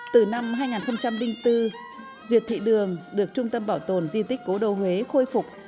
từ năm hai nghìn bốn duyệt thị đường được trung tâm bảo tồn di tích cố đô huế khôi phục